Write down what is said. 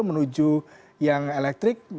menuju yang elektrik